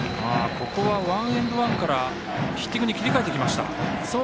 ここはワンエンドワンからヒッティングに切り替えてきました。